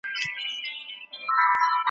سعید ته د کلي انځور ډېر په زړه پورې ښکارېده.